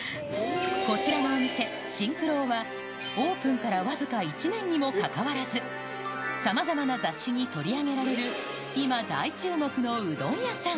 こちらのお店、真九郎は、オープンから僅か１年にもかかわらず、さまざまな雑誌に取り上げられる、今、大注目のうどん屋さん。